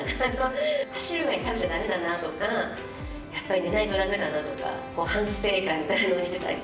走る前に食べちゃだめだなとか、やっぱり寝ないとだめだなとか、もう反省会みたいなのをしてたり